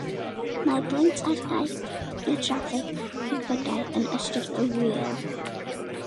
Mae'r bont ar gau i draffig cerbydau yn ystod yr ŵyl.